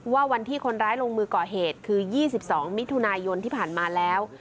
วันที่คนร้ายลงมือก่อเหตุคือ๒๒มิถุนายนที่ผ่านมาแล้ว